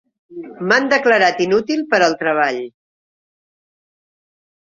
M'han declarat inútil per al treball.